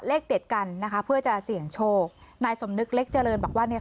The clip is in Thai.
เลขเด็ดกันนะคะเพื่อจะเสี่ยงโชคนายสมนึกเล็กเจริญบอกว่าเนี่ย